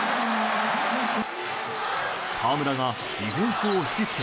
河村がディフェンスを引きつけ。